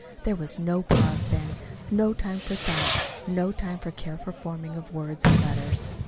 There was no pause then, no time for thought, no time for careful forming of words and letters.